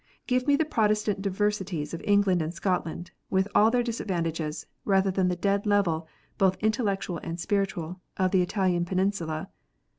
Give me the Pro testant diversities of England and Scotland, with all their dis advantages, rather than the dead level, both intellectual and spiritual, of the Italian peninsula.